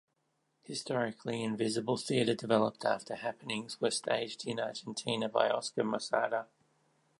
Historically invisible theatre developed after happenings were staged in Argentina by Oscar Mosatta.